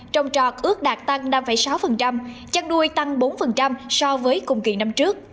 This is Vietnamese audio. trồng trọt ước đạt tăng năm sáu chăn đuôi tăng bốn so với cùng kỳ năm trước